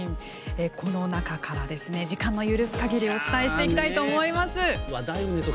この中から、時間の許す限りお伝えしたいと思います。